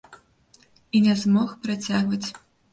І не змог працягваць.